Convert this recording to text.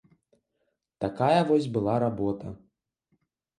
Такая вось была работа.